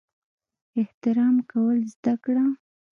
احترام کول زده کړه!